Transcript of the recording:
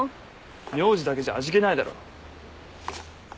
名字だけじゃ味気ないだろ。